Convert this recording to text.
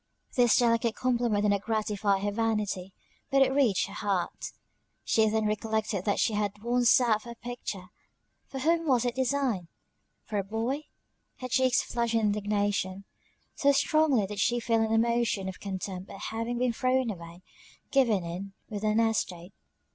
This delicate compliment did not gratify her vanity, but it reached her heart. She then recollected that she had once sat for her picture for whom was it designed? For a boy! Her cheeks flushed with indignation, so strongly did she feel an emotion of contempt at having been thrown away given in with an estate.